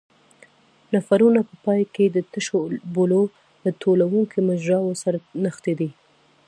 نفرونونه په پای کې د تشو بولو له ټولوونکو مجراوو سره نښتي دي.